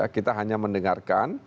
kita hanya mendengarkan